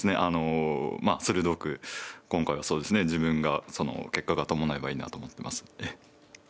あのまあ鋭く今回はそうですね自分が結果が伴えばいいなと思ってます。